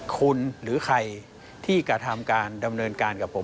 คุณหรือใครที่กระทำการดำเนินการกับผม